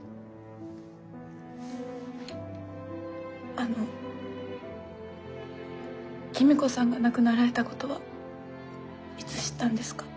あの公子さんが亡くなられたことはいつ知ったんですか？